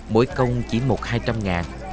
mỗi công chỉ một hai trăm linh ngàn